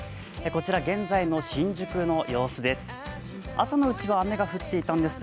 こちら現在の新宿の様子です。